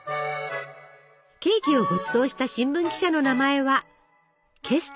ケーキをごちそうした新聞記者の名前はケストナーさん。